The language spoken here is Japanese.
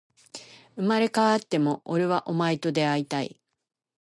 生まれ変わっても、俺はお前と出会いたい